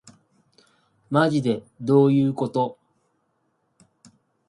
まじでどういうこと